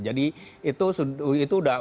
jadi itu sudah